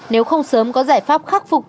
nếu không sớm có giải pháp khắc phục